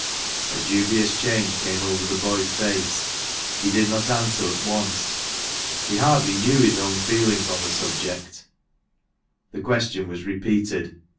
A dubious change came over the boy's face. He did not answer at once ; he hardly knew his own feelings on the subject, The question was repeated.